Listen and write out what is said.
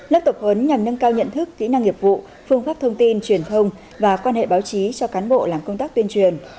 lớp tập huấn nhằm nâng cao nhận thức kỹ năng nghiệp vụ phương pháp thông tin truyền thông và quan hệ báo chí cho cán bộ làm công tác tuyên truyền